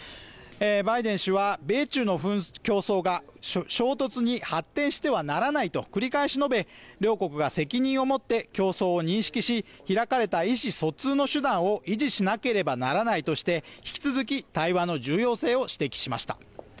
バイデン氏は米中の競争が衝突に発展してはならないと繰り返し述べ、両国が責任を持って競争を認識し、開かれた意思疎通の手段を維持しなければならないとして、引き続き対話の重要性を強調しました。